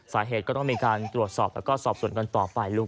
สาเหตุก็ต้องมีการตรวจสอบแล้วก็สอบส่วนกันต่อไปลูก